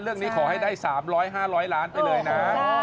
เรื่องนี้ขอให้ได้๓๐๐๕๐๐ล้านไปเลยนะ